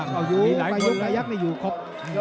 กะยุไก่ยักษ์นี่อยู่ครับ